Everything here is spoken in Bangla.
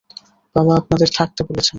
বাবা আপনাদের থাকতে বলেছেন।